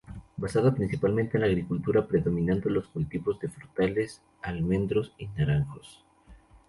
Basada principalmente en la agricultura, predominando los cultivos de frutales, almendros y naranjos.